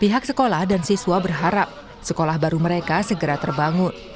pihak sekolah dan siswa berharap sekolah baru mereka segera terbangun